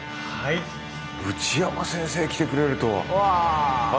内山先生来てくれるとは。